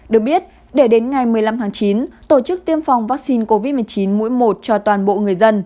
được biết để đến ngày một mươi năm tháng chín tổ chức tiêm phòng vaccine covid một mươi chín mũi một cho toàn bộ người dân